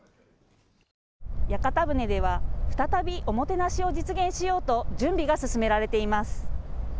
屋形船では再び、おもてなしを実現しようと準備が進められています。